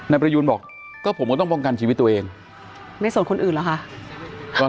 ประยูนบอกก็ผมก็ต้องป้องกันชีวิตตัวเองไม่สนคนอื่นเหรอคะ